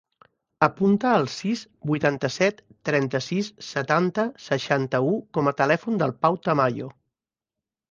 Apunta el sis, vuitanta-set, trenta-sis, setanta, seixanta-u com a telèfon del Pau Tamayo.